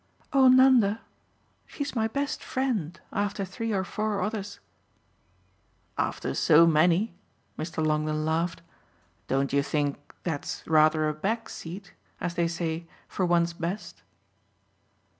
"Oh Nanda, she's my best friend after three or four others." "After so many?" Mr. Longdon laughed. "Don't you think that's rather a back seat, as they say, for one's best?"